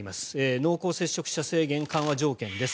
濃厚接触者制限緩和条件です。